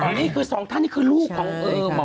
อ๋อนี่คือ๒ท่านนี่คือลูกของเอ่อ